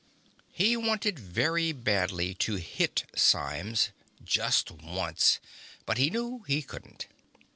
He wanted very badly to hit Symes. Just once. But he knew he couldn't.